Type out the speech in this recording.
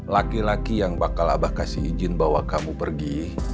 laki laki yang bakal abah kasih izin bawa kamu pergi